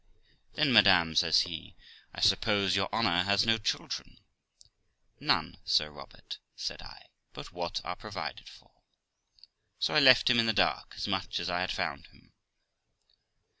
'Then, madam', says he, 'I suppose your honour has no children?' None, Sir Robert', said I, 'but what are provided for.' So I left him in the dark as much as I found him.